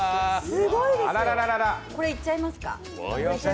これ、いっちゃいますか。